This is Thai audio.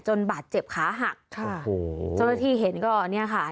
จนบาดเจ็บขาหักจนที่เห็นก็นี่ค่ะ